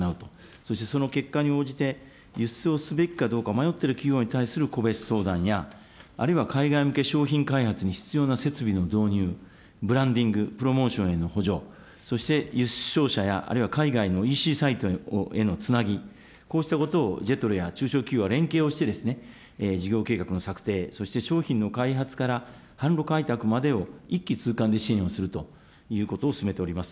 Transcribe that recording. そしてその結果に応じて、輸出をすべきかどうか迷っている企業に対する個別相談や、あるいは海外向け商品開発に必要な設備の導入、ブランディング、プロモーションへの補助、そして輸出商社や、あるいは海外のＥＣサイトへのつなぎ、こうしたことをＪＥＴＲＯや中小企業が連携をして、事業計画の策定、そして商品の開発から販路開拓までを一気通貫で支援をするということを進めております。